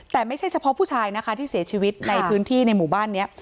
แต่ไม่ใช่เฉพาะผู้ชายนะคะที่เสียชีวิตในพื้นที่ในหมู่บ้านนี้